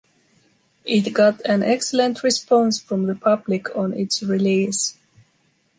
It got an excellent response from the public on its release.